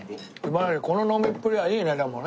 この飲みっぷりはいいねでもね。